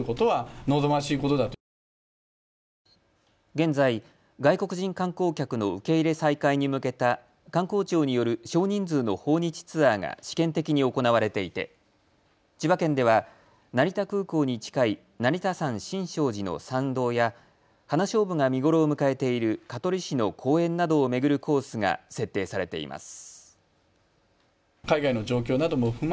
現在、外国人観光客の受け入れ再開に向けた観光庁による少人数の訪日ツアーが試験的に行われていて千葉県では成田空港に近い成田山新勝寺の参道や花しょうぶが見頃を迎えている香取市の公園などを巡るコースが設定されています。